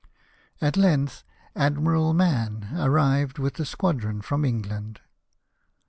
At length Admiral Man arrived with a squadron from England.